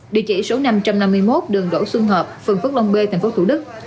địa chỉ số năm trăm năm mươi một đường đỗ xuân hợp phường phước long b tp hcm